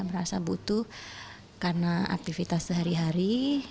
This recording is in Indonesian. merasa butuh karena aktivitas sehari hari